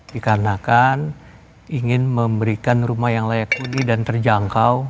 dikarenakan ingin memberikan rumah yang layak uni dan terjangkau